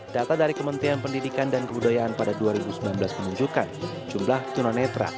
data dari kementerian pendidikan dan kebudayaan pada dua ribu sembilan belas menunjukkan jumlah tunanetra